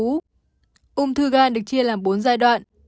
ung thư gan được chia làm bốn giai đoạn